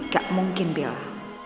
gak mungkin bela